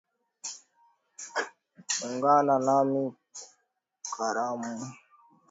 ungana nami karuma sangama mtayarishaji na msimuliji wa makala hii ya ndani ya alia